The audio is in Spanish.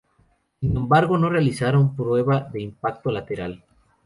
Sin embargo, no realizaron una prueba de impacto lateral.